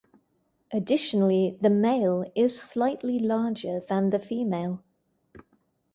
Additionally, the male is slightly larger than the female.